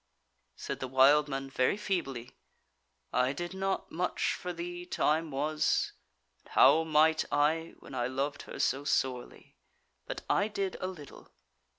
Said the wild man very feebly: "I did not much for thee time was; how might I, when I loved her so sorely? But I did a little.